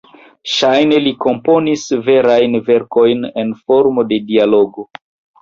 Ŝajne li komponis variajn verkojn en formo de dialogo.